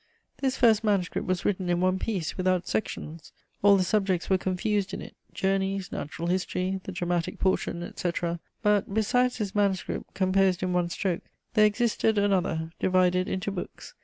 This first manuscript was written in one piece, without sections; all the subjects were confused in it: journeys, natural history, the dramatic portion, etc.; but, besides this manuscript, composed in one stroke, there existed another, divided into books.